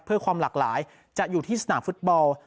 เพื่อความหลากหลายจะอยู่ที่สนามฟุตบอล